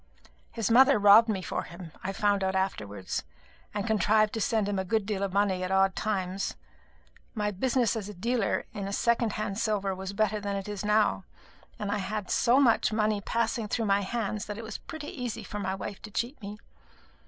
His mother robbed me for him, I found out afterwards, and contrived to send him a good deal of money at odd times. My business as a dealer in second hand silver was better then than it is now, and I had had so much money passing through my hands that it was pretty easy for my wife to cheat me.